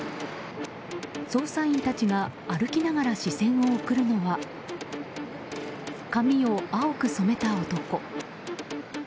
捜査員たちが歩きながら視線を送るのは髪を青く染めた男。